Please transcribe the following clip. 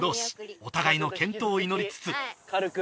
お互いの健闘を祈りつつ軽く。